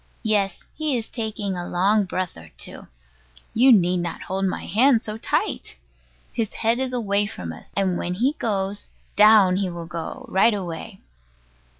Yes; he is taking a long breath or two. You need not hold my hand so tight. His head is from us; and when he goes down he will go right away.